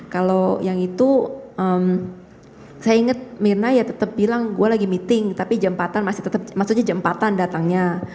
kalau yang itu saya ingat mirna ya tetap bilang gue lagi meeting tapi jam empat an masih tetap maksudnya jam empat an datangnya